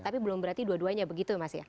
tapi belum berarti dua duanya begitu mas ya